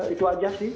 itu saja sih